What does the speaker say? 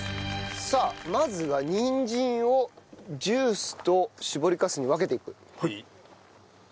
さあまずはにんじんをジュースと搾りかすに分けていく。